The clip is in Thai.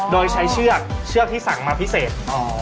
โดยใช้เชือกเชือกที่สั่งมาพิเศษ